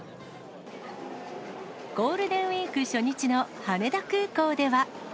ゴールデンウィーク初日の羽田空港では。